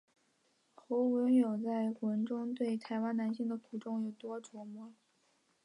侯文咏在文中对于台湾男性的苦衷有多琢磨。